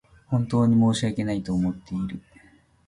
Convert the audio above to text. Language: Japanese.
本当に申し訳ないと思っている